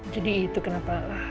jadi itu kenapa